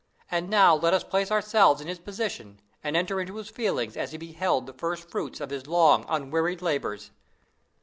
And now let us place ourselves in his position, and enter into his feelings as he beheld the first fruits of his long, unwearied labors.